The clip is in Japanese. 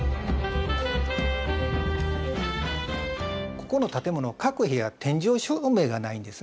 ここの建物各部屋天井照明がないんですね。